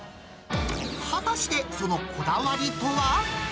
果たしてそのこだわりとは。